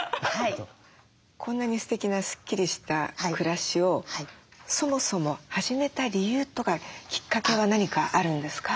こんなにすてきなスッキリした暮らしをそもそも始めた理由とかきっかけは何かあるんですか？